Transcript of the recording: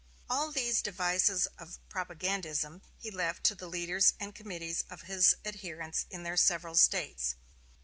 All these devices of propagandism he left to the leaders and committees of his adherents in their several States.